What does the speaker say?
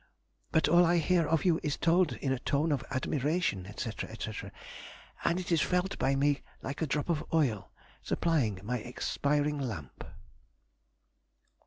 But all I hear of you is told in a tone of admiration, &c., &c., and it is felt by me like a drop of oil supplying my expiring lamp.